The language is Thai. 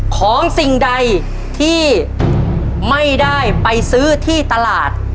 สิ่งใดที่ไม่ได้ไปซื้อที่ตลาด